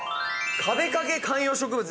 壁掛け観葉植物です。